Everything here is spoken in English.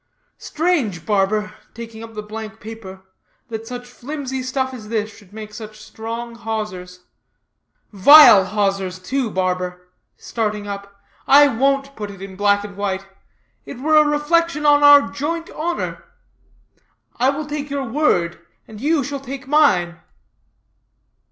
Strange, barber," taking up the blank paper, "that such flimsy stuff as this should make such strong hawsers; vile hawsers, too. Barber," starting up, "I won't put it in black and white. It were a reflection upon our joint honor. I will take your word, and you shall take mine."